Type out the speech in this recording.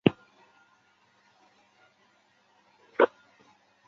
乔伊拥有哈佛教育研究所教育硕士学位与赛布鲁克研究所心理学博士学位。